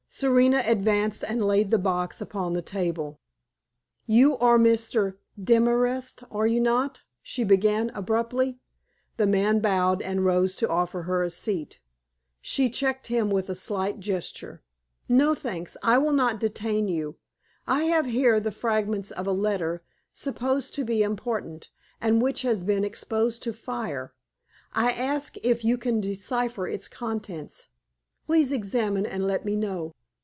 Serena advanced and laid the box upon the table. "You are Mr. Demorest, are you not?" she began, abruptly. The man bowed and rose to offer her a seat. She checked him with a slight gesture. "No thanks; I will not detain you. I have here the fragments of a letter supposed to be important, and which has been exposed to fire. I ask if you can decipher its contents. Please examine and let me know."